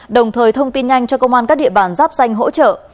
đồng thời thông tin nhanh cho công an các địa bàn giáp danh hỗ trợ